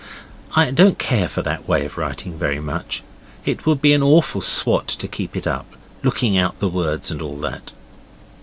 (I don't care for that way of writing very much. It would be an awful swot to keep it up looking out the words and all that.)